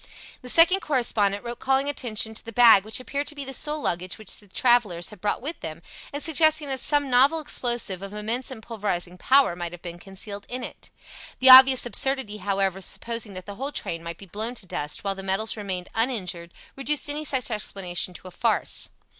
The second correspondent wrote calling attention to the bag which appeared to be the sole luggage which the travellers had brought with them, and suggesting that some novel explosive of immense and pulverizing power might have been concealed in it. The obvious absurdity, however, of supposing that the whole train might be blown to dust while the metals remained uninjured reduced any such explanation to a farce.